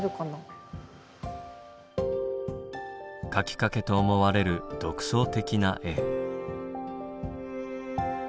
描きかけと思われる独創的な絵。